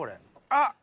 あっ！